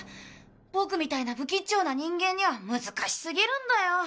ボクみたいなぶきっちょな人間には難しすぎるんだよ。